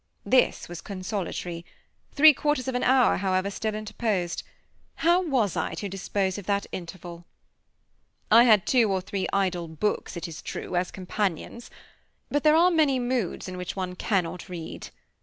This was consolatory. Three quarters of an hour, however, still interposed. How was I to dispose of that interval? I had two or three idle books, it is true, as companions companions; but there are many moods in which one cannot read.